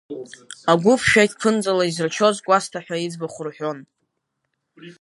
Агәыԥ шәақь ԥынҵала изырчоз Кәасҭа ҳәа иӡбахә рҳәон.